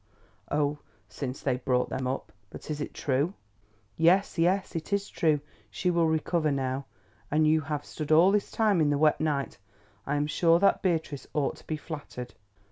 "Oh, since they brought them up. But is it true?" "Yes, yes, it is true. She will recover now. And you have stood all this time in the wet night. I am sure that Beatrice ought to be flattered."